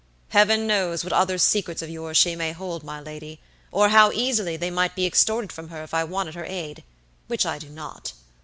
Heaven knows what other secrets of yours she may hold, my lady, or how easily they might be extorted from her if I wanted her aid, which I do not.